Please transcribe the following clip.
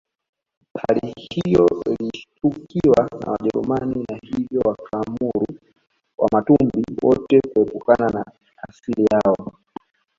Hali hiyo ilishtukiwa na Wajerumani na hivyo wakaamuru Wamatumbi wote kuepukana na asili yao